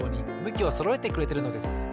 むきをそろえてくれてるのです。